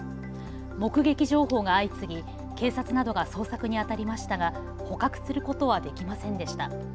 目撃情報が相次ぎ警察などが捜索にあたりましたが捕獲することはできませんでした。